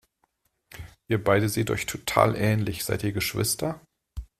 Ihr beide seht euch total ähnlich, seid ihr Geschwister?